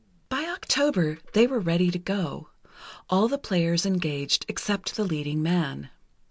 By October they were ready to go—all the players engaged except the leading man.